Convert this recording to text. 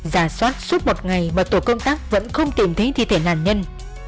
giả soát suốt một ngày mà tổ công tác vẫn không tìm thấy thi thể nạn nhân